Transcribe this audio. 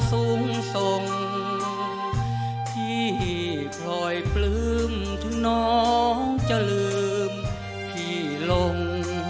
สูงทรงพี่พลอยปลื้มถึงน้องจะลืมพี่ลง